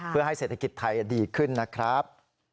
เพื่อให้เศรษฐกิจไทยดีขึ้นนะครับ